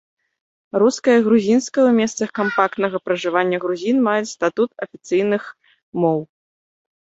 Руская і грузінская ў месцах кампактнага пражывання грузін маюць статут афіцыйных моў.